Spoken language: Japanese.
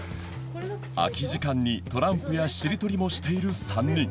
空き時間にトランプやしりとりもしている３人